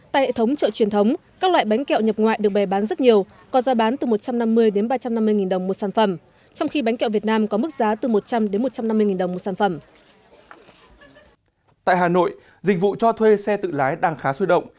tại hà nội dịch vụ cho thuê xe tự lái đang khá suy động